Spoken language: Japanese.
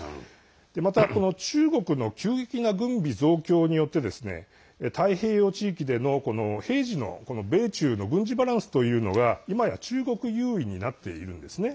また中国の急激な軍備増強によって太平洋地域での平時の米中の軍事バランスがいまや中国優位になっているんですね。